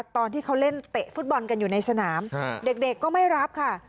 ตอนที่เขาเล่นเตะฟุตบอลกันอยู่ในสนามเด็กก็ไม่รับค่ะ